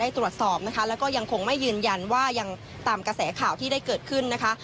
ตามกระแสข่าวที่ได้เกิดขึ้นนะคะ